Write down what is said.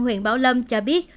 huyện bảo lâm cho biết